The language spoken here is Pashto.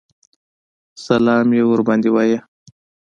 سلام یې ورباندې وایه.